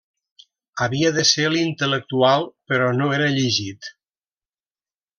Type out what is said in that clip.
Havia de ser l'intel·lectual però no era llegit.